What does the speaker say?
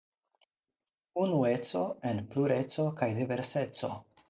Unueco en plureco kaj diverseco.